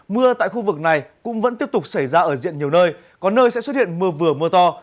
mưa tại khu vực này cũng vẫn tiếp tục xảy ra ở diện nhiều nơi có nơi sẽ xuất hiện mưa vừa mưa to